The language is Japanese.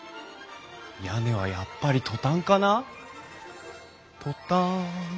屋根はやっぱりトタンかな？